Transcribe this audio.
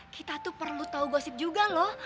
kita tuh perlu tahu gosip juga loh